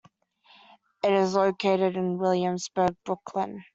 It is located in Williamsburg, Brooklyn.